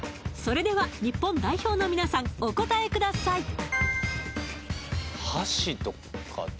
それでは日本代表の皆さんお答えください